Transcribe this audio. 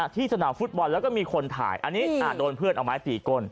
ที่สนามฟุตบอลแล้วก็มีคนถ่ายอันนี้โดนเพื่อนเอาไม้ตีก้น